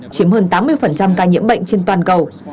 chiếm hơn tám mươi ca nhiễm bệnh trên toàn cầu